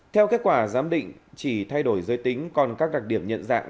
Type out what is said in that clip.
theo kết quả giám định chỉ thay đổi giới tính còn các đặc điểm nhận dạng